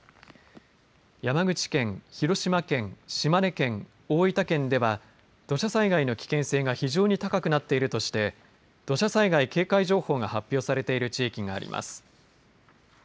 山口県、広島県、島根県大分県では土砂災害の危険性が非常に高くなっているとして土砂災害警戒情報が発表されている地域があります。